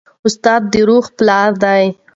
استاد د روح پلار دی.